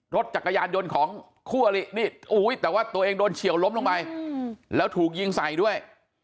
รถจักรยานยนต์ของคู่อลินี่แต่ว่าตัวเองโดนเฉียวล้มลงไปแล้วถูกยิงใส่ด้วย